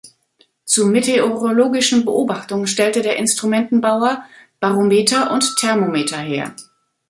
Zu meteorologischen Beobachtungen stellte der Instrumentenbauer Barometer und Thermometer her.